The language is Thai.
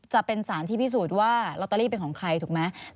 จะเป็นสารที่พิสูจน์ว่าลอตเตอรี่เป็นของใครถูกไหม